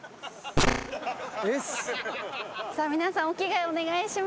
皆さんお着替えお願いします。